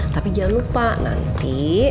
tapi jangan lupa nanti